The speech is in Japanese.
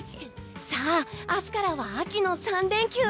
明日からは秋の３連休！